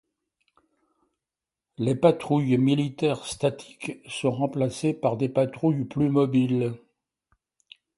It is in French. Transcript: Les patrouilles militaires statiques sont remplacées par des patrouilles plus mobiles.